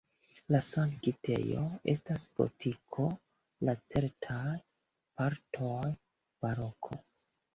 La sanktejo estas gotiko, la ceteraj partoj baroko.